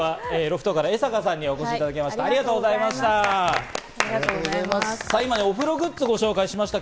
今日はロフトから江坂さんにお越しいただきました。